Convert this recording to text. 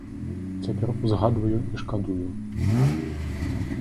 Цяпер узгадваю і шкадую.